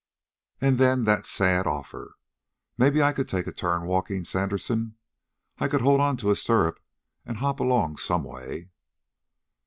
And then that sad offer: "Maybe I could take a turn walking, Sandersen. I could hold on to a stirrup and hop along some way!"